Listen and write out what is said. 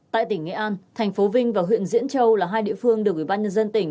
tại tỉnh nghệ an thành phố vinh và huyện diễn châu là hai địa phương được ủy ban nhân dân tỉnh